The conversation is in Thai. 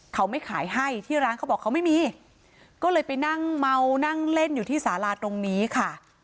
เขาไม่ขายให้ที่ร้านเขาบอกเขาไม่มีก็เลยไปนั่งเมานั่งเล่นอยู่ที่สาราตรงนี้ค่ะ